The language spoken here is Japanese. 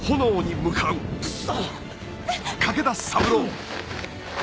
クソ！